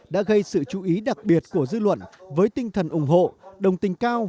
đã gây sự chú ý đặc biệt của dư luận với tinh thần ủng hộ đồng tình cao